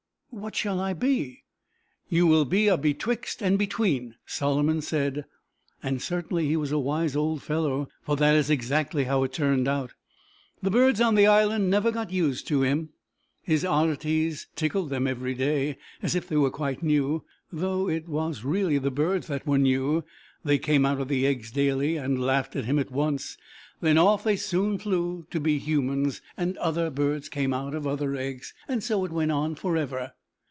"What shall I be?" "You will be a Betwixt and Between," Solomon said, and certainly he was a wise old fellow, for that is exactly how it turned out. The birds on the island never got used to him. His oddities tickled them every day, as if they were quite new, though it was really the birds that were new. They came out of the eggs daily, and laughed at him at once, then off they soon flew to be humans, and other birds came out of other eggs, and so it went on forever.